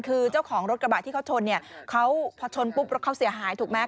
คือเจ้าของรถกระบะที่เขาชนเนี่ยเขาพอชนปุ๊บรถเขาเสียหายถูกไหม